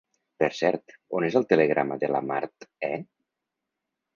Per cert, on és el telegrama de la Mart he?